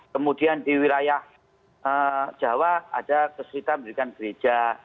kemudian di wilayah jawa ada kesulitan mendirikan gereja